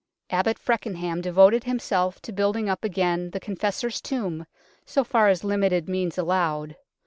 Abbot Feckenham devoted himself to building up again the Confessor's tomb so far as limited means allowed.